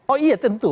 oh iya tentu